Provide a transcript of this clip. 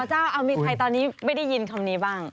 เจ้าเอามีใครตอนนี้ไม่ได้ยินคำนี้บ้าง